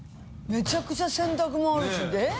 めちゃくちゃ洗濯物あるしえっ？